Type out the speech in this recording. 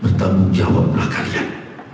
bertanggung jawab lah kalian